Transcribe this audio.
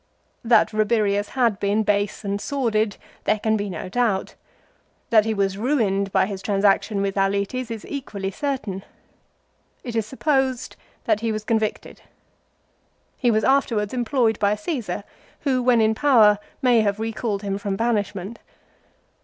That Rabirius had been base and sordid there can be no doubt. That he was ruined by his transaction with Auletes is equally certain. It is supposed that he was convicted. He was after wards employed by Csesar, who, when in power, may have re called him from banishment.